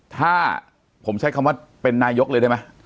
ถ้าผมใช้คำว่าเป็นนายกเลยได้ไหม